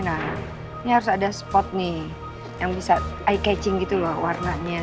nah ini harus ada spot nih yang bisa ey catching gitu loh warnanya